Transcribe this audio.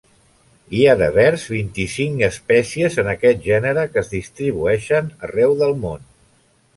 Hi ha devers vint-i-cinc espècies en aquest gènere, que es distribueixen arreu del món.